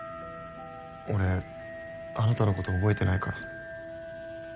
俺あなたのこと覚えてないから。